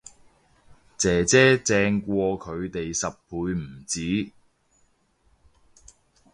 姐姐正過佢哋十倍唔止